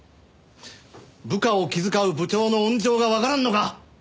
部下を気遣う部長の温情がわからんのか！